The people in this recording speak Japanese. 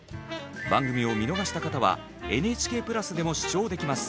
番組を見逃した方はＮＨＫプラスでも視聴できます。